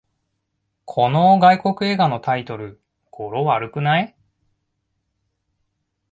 この外国映画のタイトル、語呂悪くない？